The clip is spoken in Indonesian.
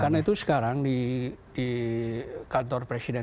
karena itu sekarang di kantor presiden